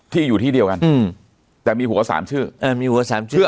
ที่อยู่ที่เดียวกันอืมแต่มีหัวสามชื่ออ่ามีหัวสามชื่อ